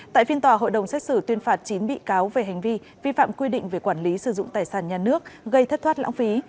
tại phiên tòa hội đồng xét xử tuyên phạt chín bị cáo về hành vi vi phạm quy định về quản lý sử dụng tài sản nhà nước gây thất thoát lãng phí